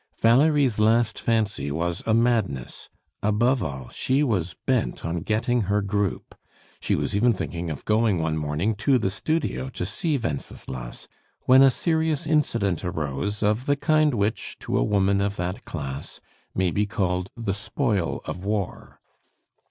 Valerie's last fancy was a madness; above all, she was bent on getting her group; she was even thinking of going one morning to the studio to see Wenceslas, when a serious incident arose of the kind which, to a woman of that class, may be called the spoil of war.